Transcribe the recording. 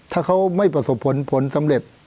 ถ้าเขาไม่ประสบผลผลสำเร็จ